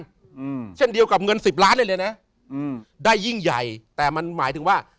อืมเช่นเดียวกับเงินสิบล้านเลยเลยนะอืมได้ยิ่งใหญ่แต่มันหมายถึงว่า